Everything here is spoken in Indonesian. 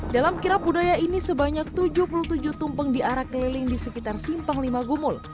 dalam kirap budaya ini sebanyak tujuh puluh tujuh tumpeng diarak keliling di sekitar simpang lima gumul